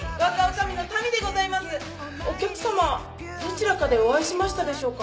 お客さまどちらかでお会いしましたでしょうか？